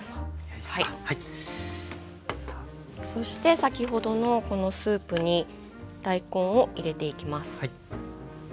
そして先ほどのこのスープに大根を入れていきます。